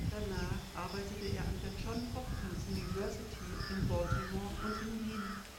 Danach arbeitete er an der Johns Hopkins University in Baltimore und in Wien.